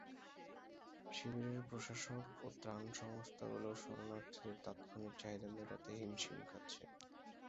শিবিরের প্রশাসক ও ত্রাণ সংস্থাগুলো শরণার্থীদের তাৎক্ষণিক চাহিদা মেটাতে হিমশিম খাচ্ছে।